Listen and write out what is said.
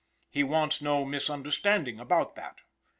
"He wants no misunderstanding about that."